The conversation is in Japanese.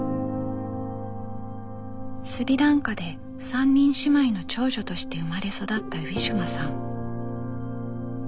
スリランカで３人姉妹の長女として生まれ育ったウィシュマさん。